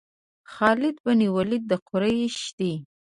خالد بن ولید د قریش دی.